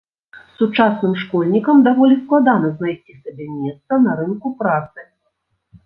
Сучасным школьнікам даволі складана знайсці сабе месца на рынку працы.